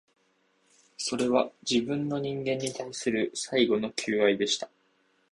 それは、自分の、人間に対する最後の求愛でした